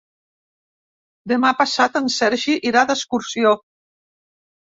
Demà passat en Sergi irà d'excursió.